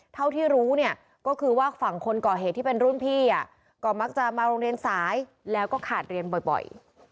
เท่าที่รู้เนี่ยก็คือว่าฝั่งคนก่อเหตุที่เป็นรุ่นพี่ก็มักจะมาโรงเรียนสายแล้วก็ขาดเรียนบ่อย